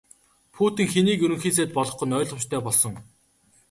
Путин хэнийг Ерөнхий сайд болгох нь ойлгомжтой болсон.